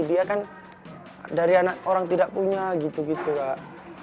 dari anak orang tidak punya gitu gitu kak